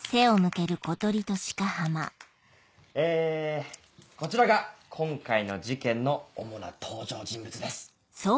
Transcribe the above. えこちらが今回の事件の主な登場人物です。